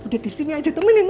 udah di sini aja temenin